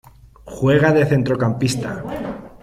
Juega de Centrocampista.